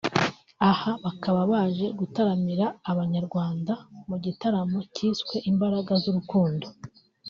aha bakaba baje gutaramira abanyarwanda mu gitaramo kiswe Imbaraga z’urukundo